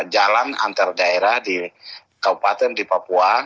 jalan antar daerah di kabupaten di papua